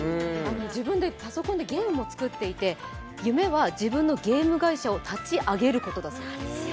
自分でパソコンでゲームも作っていて夢は自分のゲーム会社を立ち上げることだそうです。